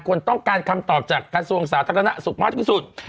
คนต้องการคำตอบจากกระทรวงสาธารณสุขมากที่สุด